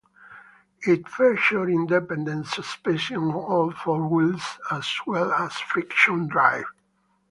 It featured independent suspension on all four wheels, as well as friction drive.